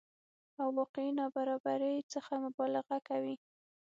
او واقعي نابرابرۍ څخه مبالغه کوي